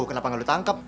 kenapa gak lu tangkep